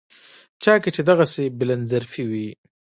چا کې چې دغسې بلندظرفي وي.